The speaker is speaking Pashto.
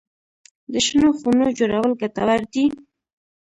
د شنو خونو جوړول ګټور دي؟